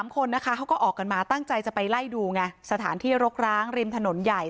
๓คนนะคะเขาก็ออกกันมาตั้งใจจะไปไล่ดูไงสถานที่รกร้างริมถนนใหญ่